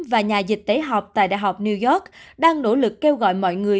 và nhà dịch tế học tại đại học new york đang nỗ lực kêu gọi mọi người